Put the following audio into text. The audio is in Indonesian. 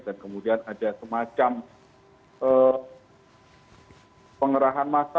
dan kemudian ada semacam pengerahan masa